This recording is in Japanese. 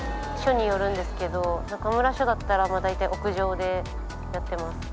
署によるんですけど、中村署だったら、大体屋上でやってます。